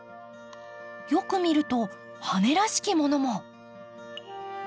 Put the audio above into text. よく見ると羽らしきものも。